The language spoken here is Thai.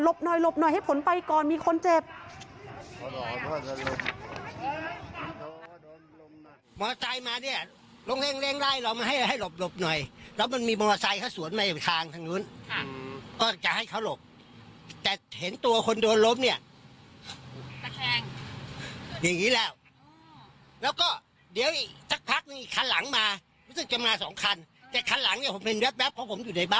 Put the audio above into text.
หน่อยหลบหน่อยให้ผลไปก่อนมีคนเจ็บ